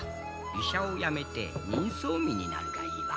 医者を辞めて人相見になるがいいわ。